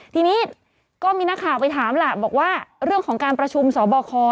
ทีนี้ก็มีนักข่าวไปถามล่ะบอกว่าเรื่องของการประชุมสบค